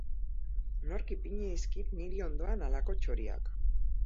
Nork ipini dizkit niri ondoan halako txoriak!.